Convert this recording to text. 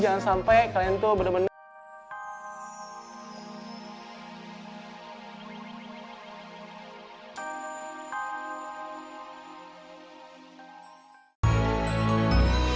jangan sampai kalian tuh bener bener